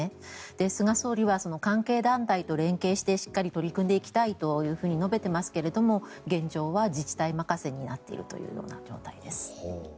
菅総理は関係団体と連携していきたいと述べていますけども現状は自治体任せになっているという状態です。